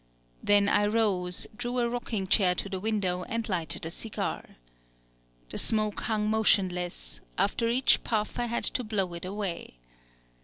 Then I rose, drew a rocking chair to the window and lighted a cigar. The smoke hung motionless; after each puff, I had to blow it away.